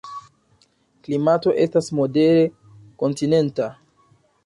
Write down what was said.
Klimato estas modere kontinenta.